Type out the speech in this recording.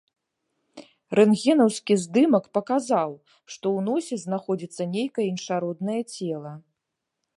Рэнтгенаўскі здымак паказаў, што ў носе знаходзіцца нейкае іншароднае цела.